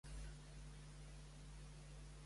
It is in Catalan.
Quan érem adolescents solíem jugar a indis i vaquers.